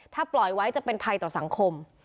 ถ้าปล่อยไว้จะเป็นภัยต่อสังคม